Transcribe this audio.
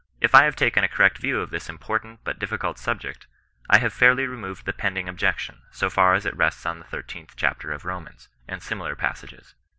If I have taken a correct view of this important, but difficult subject, I have fairly removed the pending ob jection, so far as it rests on the 13th chapter of Romans, and similar passages.